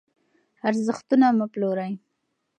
ارزښتونه مه پلورئ.